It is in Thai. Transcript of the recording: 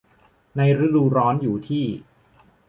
ในฤดูร้อนอยู่ที่